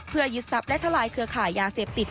เพื่อยึดทรัพย์ได้ทลายเครือขายยาเสพติด